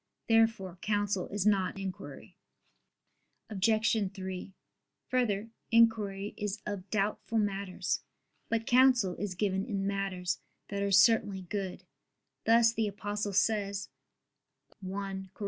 Therefore counsel is not inquiry. Obj. 3: Further, inquiry is of doubtful matters. But counsel is given in matters that are certainly good; thus the Apostle says (1 Cor.